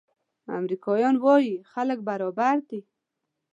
امریکایان وايي خلک برابر دي.